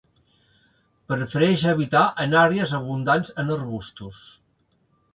Prefereix habitar en àrees abundants en arbustos.